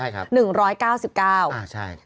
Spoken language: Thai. ใช่ครับ๑๙๙บาท